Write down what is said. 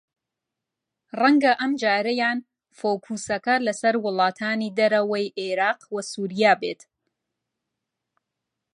رەنگە ئەمجارەیان فۆکووسەکە لەسەر وڵاتانی دەرەوەی عێراق و سووریا بێت